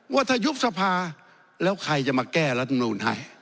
ว่าถ้ายุบสภาแล้วใครจะมาแก้รัฐมนูลให้